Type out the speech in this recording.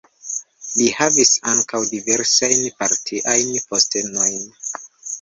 Li havis ankaŭ diversajn partiajn postenojn.